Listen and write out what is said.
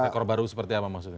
korban baru seperti apa maksudnya